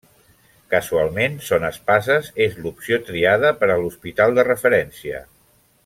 Casualment, Son Espases és l'opció triada per a l'hospital de referència.